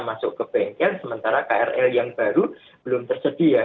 masuk ke bengkel sementara krl yang baru belum tersedia